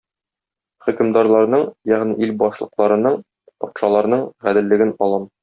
Хөкемдарларның, ягъни ил башлыкларының, патшаларның гаделлеген алам.